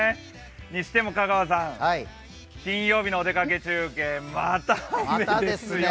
にしても香川さん、金曜日のお出かけ中継、また雨ですよ。